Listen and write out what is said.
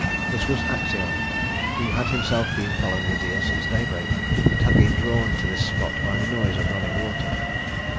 This was Actæon, who had himself been following the deer since daybreak, and had been drawn to this spot by the noise of running water.